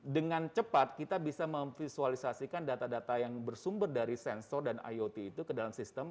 dengan cepat kita bisa memvisualisasikan data data yang bersumber dari sensor dan iot itu ke dalam sistem